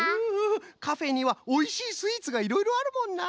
カフェにはおいしいスイーツがいろいろあるもんな。